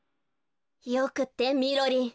よくってみろりん！